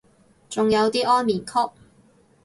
仲有啲安眠曲